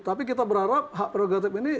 tapi kita berharap hak prerogatif ini